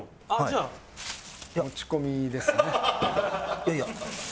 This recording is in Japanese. いやいや。